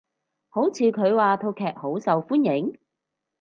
好似話佢套劇好受歡迎？